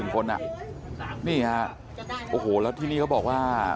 ๑๒๐๐๐๐คนนี่ค่ะโอ้โหแล้วที่นี่เขาบอกว่า